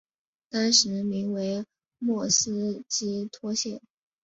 当时名为莫斯基托县。